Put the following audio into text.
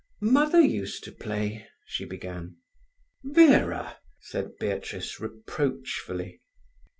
"Mother used to play—" she began. "Vera!" said Beatrice reproachfully.